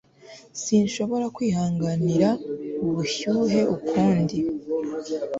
sinshobora kwihanganira ubushyuhe ukundi